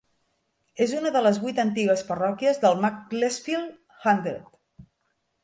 És una de les vuit antigues parròquies de Macclesfield Hundred.